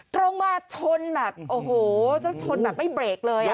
ตรงมาชนแบบโอ้โหแล้วชนแบบไม่เบรกเลย